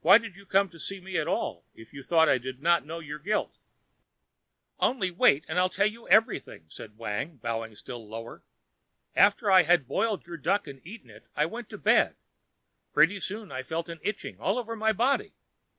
Why did you come to see me at all if you thought I did not know you were guilty?" "Only wait, and I'll tell you everything," said Wang, bowing still lower. "After I had boiled your duck and eaten it, I went to bed. Pretty soon I felt an itching all over my body.